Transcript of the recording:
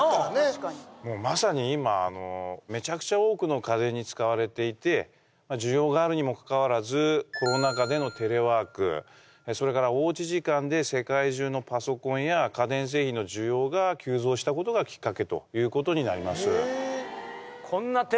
確かにもうまさに今めちゃくちゃ多くの家電に使われていて需要があるにもかかわらずコロナ禍でのテレワークそれからおうち時間で世界中のパソコンや家電製品の需要が急増したことがきっかけということになります